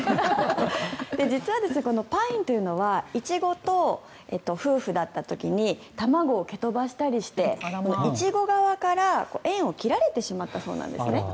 実はこのパインというのはイチゴと夫婦だった時に卵を蹴飛ばしたりしてイチゴ側から縁を切られてしまったそうなんですね。